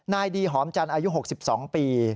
นายดีหอมจันทร์อายุ๖๒ปี